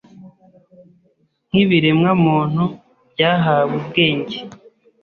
Nk’ibiremwamuntu byahawe ubwenge,